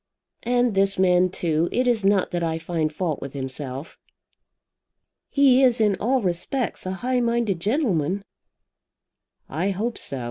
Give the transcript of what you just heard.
And this man, too; it is not that I find fault with himself." "He is in all respects a high minded gentleman." "I hope so.